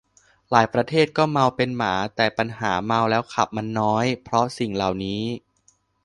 หลายประเทศก็เมาเป็นหมา แต่ปัญหาเมาแล้วขับมันน้อยเพราะสิ่งเหล่านี้